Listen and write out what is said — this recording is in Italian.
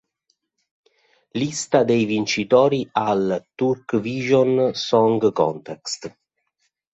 Lista dei vincitori al Turkvision Song Contest